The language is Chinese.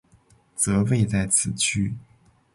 则位在此区。